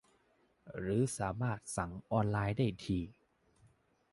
หรือสามารถสั่งออนไลน์ได้ที่